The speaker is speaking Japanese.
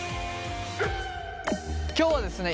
今日はですね